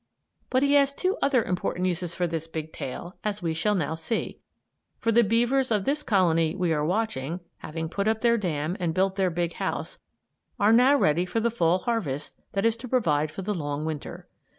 But he has two other important uses for this big tail, as we shall now see; for the beavers of this colony we are watching, having put up their dam and built their big house, are now ready for the Fall harvest that is to provide for the long Winter.